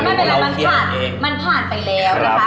มันผ่านมันผ่านไปแล้วเนี่ยครับ